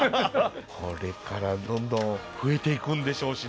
これからどんどん増えていくんでしょうしね。